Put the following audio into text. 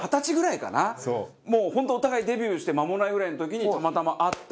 もう本当お互いデビューして間もないぐらいの時にたまたま会って。